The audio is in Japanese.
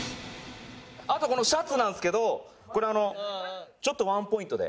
あとはこのシャツなんですけどこれはあのちょっとワンポイントで。